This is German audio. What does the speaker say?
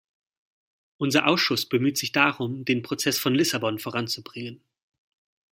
Unser Ausschuss bemüht sich darum, den Prozess von Lissabon voranzubringen.